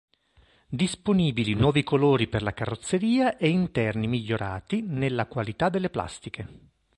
Disponibili nuovi colori per la carrozzeria e interni migliorati nella qualità delle plastiche.